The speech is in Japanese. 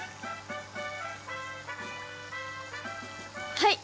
はい。